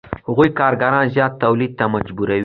هغوی کارګران زیات تولید ته مجبوروي